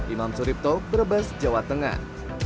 imam suripto brebes jawa tengah